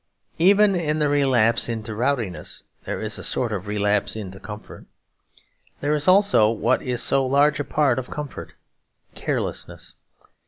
Even in the relapse into rowdiness there is a sort of relapse into comfort. There is also what is so large a part of comfort; carelessness.